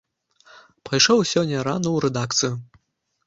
Пайшоў сёння рана ў рэдакцыю.